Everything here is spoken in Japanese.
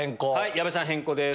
矢部さん変更です。